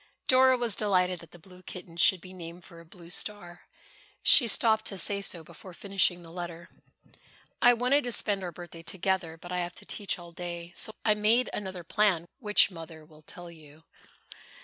Dora was delighted that the blue kitten should be named for a blue star. She stopped to say so before finishing the letter. "I wanted to spend our birthday together, but I have to teach all day. So I made another plan which Mother will tell you."